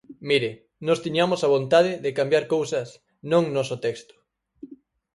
Mire, nós tiñamos a vontade de cambiar cousas non noso texto.